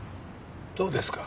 そうですか。